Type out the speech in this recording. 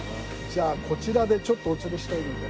じゃあこちらでちょっとお連れしたいので。